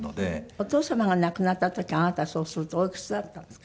お父様が亡くなった時あなたはそうするとおいくつだったんですか？